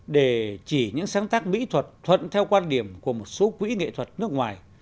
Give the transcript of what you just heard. để chỉ những sáng tác mỹ thuật thuận theo quan điểm của một số quỹ nghệ thuật nước ngoài